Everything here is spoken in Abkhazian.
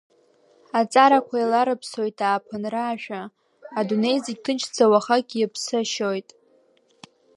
Аҵарақәа еиларыԥсоит ааԥынра ашәа, адунеи зегь ҭынчӡа уахакгьы аԥсы ашьоит.